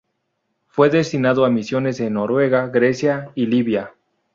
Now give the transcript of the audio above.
Fue destinado a misiones en Noruega, Grecia y Libia.